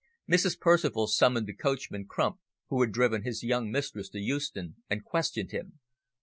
Mrs. Percival summoned the coachman, Crump, who had driven his young mistress to Euston, and questioned him.